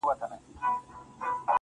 سترگي مي ړندې سي رانه وركه سې,